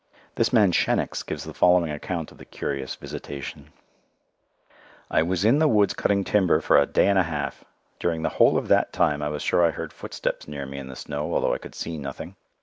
This man Shenicks gives the following account of the curious visitation: "I was in the woods cutting timber for a day and a half. During the whole of that time I was sure I heard footsteps near me in the snow, although I could see nothing.